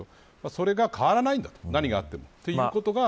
それが変わらないんだ何があっても、ということが。